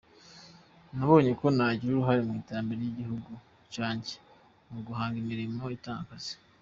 Nabonye ko nagira uruhare mu iterambere ry’igihugu cyanjye mu guhanga imirimo itanga akazi.